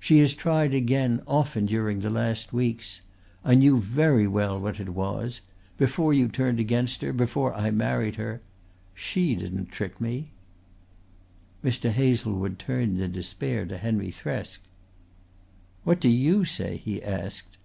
She has tried again often during the last weeks. I knew very well what it was before you turned against her, before I married her. She didn't trick me." Mr. Hazlewood turned in despair to Henry Thresk. "What do you say?" he asked.